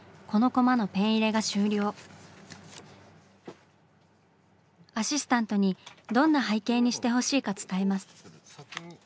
アシスタントにどんな背景にしてほしいか伝えます。